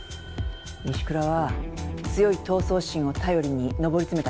石倉は強い闘争心を頼りに上り詰めた人間でしょ。